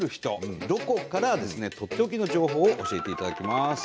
とっておきの情報を教えていただきます。